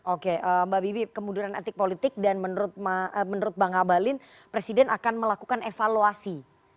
oke mbak bibi kemuduran etik politik dan menurut bang abalin presiden akan melakukan evaluasi